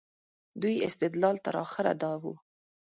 دوی استدلال تر اخره دا و.